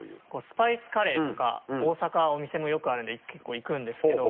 スパイスカレーとか大阪お店もよくあるので結構行くんですけど。